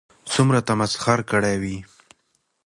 څومره تمسخر كړى وي